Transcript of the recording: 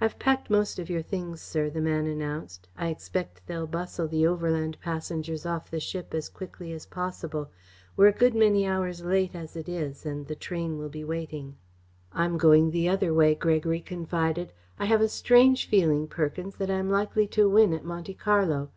"I have packed most of your things, sir," the man announced. "I expect they'll bustle the overland passengers off the ship as quickly as possible. We're a good many hours late as it is, and the train will be waiting." "I am going the other way," Gregory confided. "I have a strange feeling, Perkins, that I am likely to win at Monte Carlo.